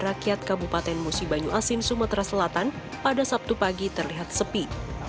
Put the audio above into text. rakyat kabupaten musi banyu asin sumatera selatan pada sabtu pagi terlihat sepi